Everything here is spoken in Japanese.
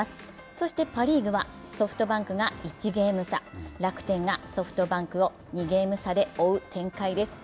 そしてパ・リーグはソフトバンクが１ゲーム差、楽天がソフトバンクを２ゲーム差で追う展開です。